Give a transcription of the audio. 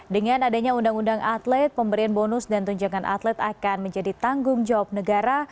dengan adanya undang undang atlet pemberian bonus dan tunjangan atlet akan menjadi tanggung jawab negara